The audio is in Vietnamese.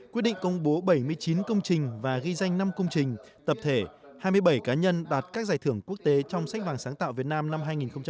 quyết định công bố bảy mươi chín công trình và ghi danh năm công trình tập thể hai mươi bảy cá nhân đạt các giải thưởng quốc tế trong sách vàng sáng tạo việt nam năm hai nghìn một mươi chín